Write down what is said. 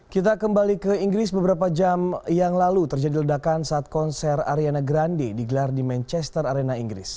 kita kembali ke inggris beberapa jam yang lalu terjadi ledakan saat konser ariana grande digelar di manchester arena inggris